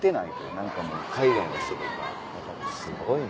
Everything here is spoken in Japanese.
何かもう海外の人とかすごいな。